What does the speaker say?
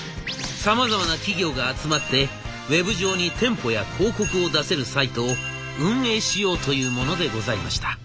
さまざまな企業が集まってウェブ上に店舗や広告を出せるサイトを運営しようというものでございました。